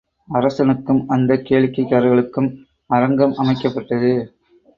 அரசனுக்கும் அந்தக் கேளிக்கைக்காரர்களுக்கும், அரங்கம் அமைக்கப்பட்டது.